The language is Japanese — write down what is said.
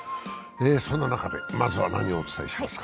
そんな中でまずは何をお伝えしますか？